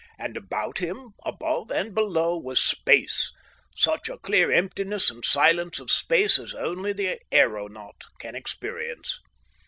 And about him, above and below, was space such a clear emptiness and silence of space as only the aeronaut can experience.